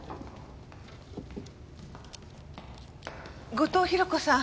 後藤宏子さん。